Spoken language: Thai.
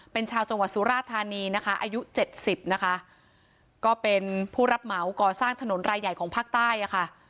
เป็นชาวจังหวัดสุราธานีนะคะอายุเจ็ดสิบนะคะก็เป็นผู้รับเหมาก่อสร้างถนนรายใหญ่ของภาคใต้อ่ะค่ะ